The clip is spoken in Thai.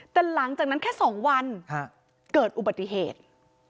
แต่หลังจากนั้นแค่๒วันเกิดอุบัติเหตุ